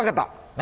何？